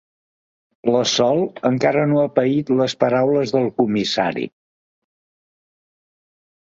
La Sol encara no ha paït les paraules del comissari.